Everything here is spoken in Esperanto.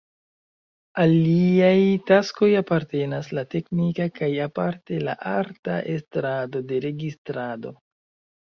Al liaj taskoj apartenas la teknika kaj aparte la arta estrado de registrado.